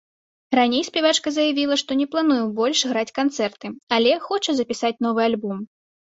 Раней спявачка заявіла, што не плануе больш граць канцэрты, але хоча запісаць новы альбом.